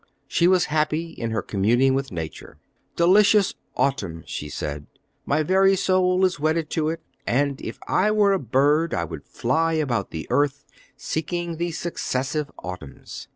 She was happy in her communing with nature. "Delicious autumn," she said. "My very soul is wedded to it, and if I were a bird, I would fly about the earth, seeking the successive autumns....